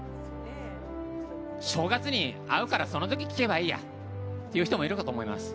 正月に会うからその時聞けばいいやという人もいるかと思います。